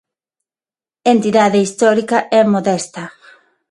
Entidade histórica e modesta.